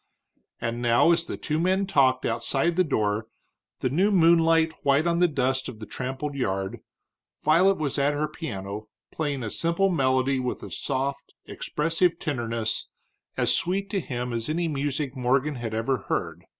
And now as the two men talked outside the door, the new moonlight white on the dust of the trampled yard, Violet was at her piano, playing a simple melody with a soft, expressive tenderness as sweet to him as any music Morgan ever had heard.